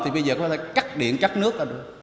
thì bây giờ có thể cắt điện cắt nước